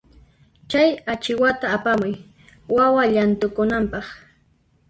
Chay achiwata apamuy wawa llanthukunanpaq.